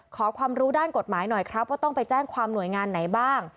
ขอความรู้ด้านกฎหมายหน่อยครับว่าต้องไปแจ้งความหน่วยงานไหนบ้าง